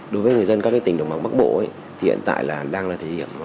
đối với người dân các tỉnh đồng bằng bắc bộ thì hiện tại đang là thể hiểm